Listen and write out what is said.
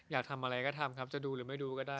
อยากทำอะไรก็ทำครับจะดูหรือไม่ดูก็ได้